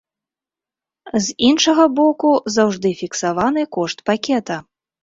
З іншага боку, заўжды фіксаваны кошт пакета.